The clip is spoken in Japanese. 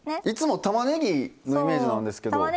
いつもたまねぎのイメージなんですけど。